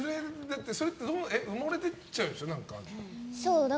それってどんどん埋もれてっちゃうでしょ。